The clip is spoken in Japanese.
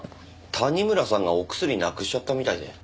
谷村さんがお薬なくしちゃったみたいで。